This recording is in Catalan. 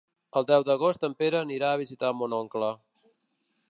El deu d'agost en Pere anirà a visitar mon oncle.